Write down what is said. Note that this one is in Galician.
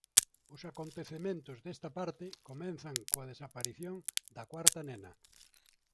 Os acontecementos desta parte comenzan coa desaparición da cuarta nena.